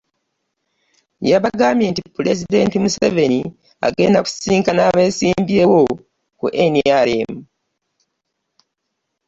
Yabagambye nti Pulezidenti Museveni agenda kusisinkana abeesimbyewo aba NRM